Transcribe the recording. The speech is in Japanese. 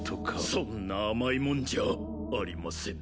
そんな甘いもんじゃありません。